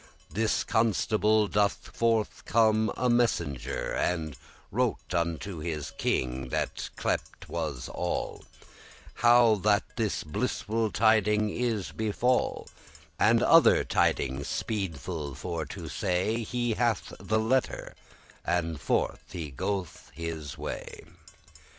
This Constable *doth forth come* a messenger, *caused to come forth* And wrote unto his king that clep'd was All', How that this blissful tiding is befall, And other tidings speedful for to say He* hath the letter, and forth he go'th his way.